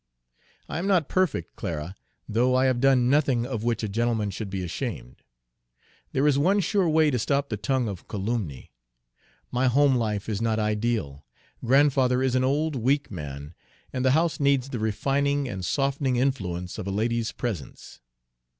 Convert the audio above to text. I am not perfect, Clara, though I have done nothing of which a gentleman should be ashamed. There is one sure way to stop the tongue of calumny. My home life is not ideal, grandfather is an old, weak man, and the house needs the refining and softening influence of a lady's presence.